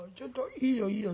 いいよいいよ。